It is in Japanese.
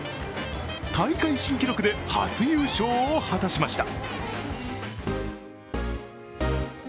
大会新記録で初優勝を果たしました。